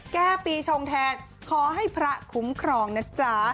แก้ปีชงแทนขอให้พระคุ้มครองนะจ๊ะ